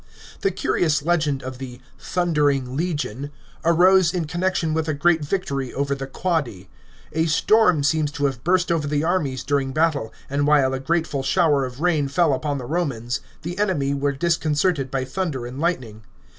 The curious legend of the " Thundering Legion " arose in con nection with a great victory over the Quadi. A storm seems to have burst over the armies during battle, and while a grateful shower of ram lell upon the Romans, the enemy were disconcerted by thunder and lightning.